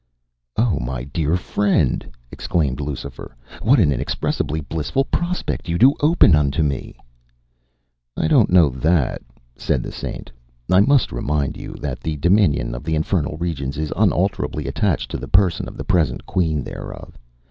” “Oh, my dear friend,” exclaimed Lucifer, “what an inexpressibly blissful prospect you do open unto me!” “I don’t know that,” said the Saint. “I must remind you that the dominion of the infernal regions is unalterably attached to the person of the present Queen thereof.